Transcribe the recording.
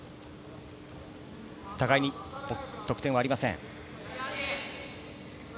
互いに得点はありません。